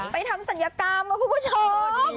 ทำศัลยกรรมนะคุณผู้ชม